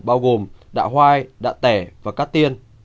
bao gồm đạ hoai đạ tẻ và cát tiên